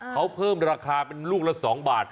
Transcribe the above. เขาเพิ่มราคาเป็นลูกละ๒บาท